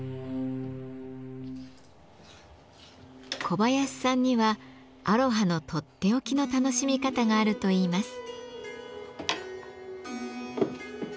小林さんにはアロハのとっておきの楽しみ方があるといいます。